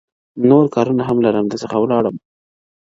نور کارونه هم لرم درڅخه ولاړم-